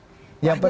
yang penting murah